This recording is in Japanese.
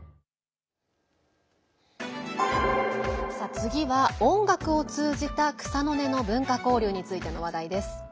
次は音楽を通じた草の根の文化交流についての話題です。